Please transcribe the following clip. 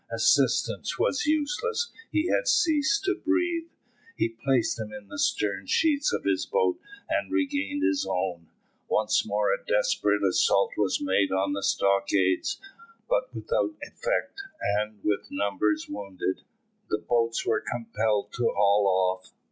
Assistance was useless, he had ceased to breathe. He placed him in the stern sheets of his boat and regained his own. Once more a desperate assault was made on the stockades, but without effect, and, with numbers wounded, the boats were compelled to haul off.